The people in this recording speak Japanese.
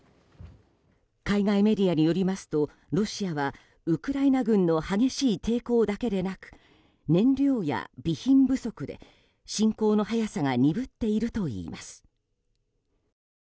海外メディアによりますとロシアはウクライナ軍の激しい抵抗だけでなく燃料や備品不足で侵攻の早さが鈍っているといいます。